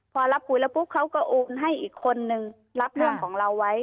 พอรับคุยแล้วปุ๊บเขาก็โอนให้อีกคนนึงรับเรื่องของเราไว้